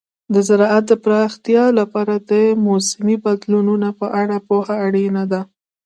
د زراعت پرمختګ لپاره د موسمي بدلونونو په اړه پوهه اړینه ده.